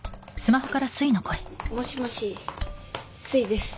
もしもしすいです